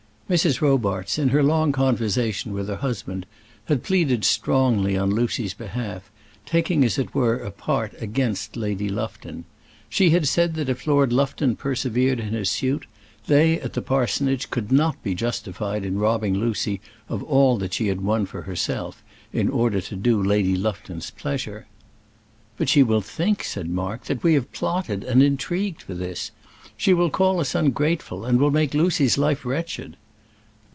Mrs. Robarts in her long conversation with her husband had pleaded strongly on Lucy's behalf, taking, as it were, a part against Lady Lufton. She had said that if Lord Lufton persevered in his suit, they at the parsonage could not be justified in robbing Lucy of all that she had won for herself, in order to do Lady Lufton's pleasure. "But she will think," said Mark, "that we have plotted and intrigued for this. She will call us ungrateful, and will make Lucy's life wretched."